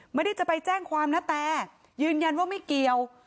ไม่ได้จะไปแจ้งความนะแต่ยืนยันว่าไม่เกี่ยว